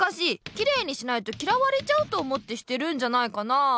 きれいにしないときらわれちゃうと思ってしてるんじゃないかな。